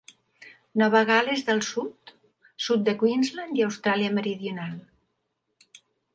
Nova Gal·les del Sud, sud de Queensland i Austràlia Meridional.